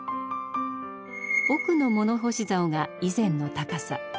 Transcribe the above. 奥の物干し竿が以前の高さ。